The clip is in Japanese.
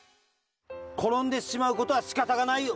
ころんでしまうことはしかたがないよ。